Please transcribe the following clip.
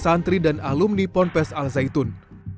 santri dan alumni pompes al zaitun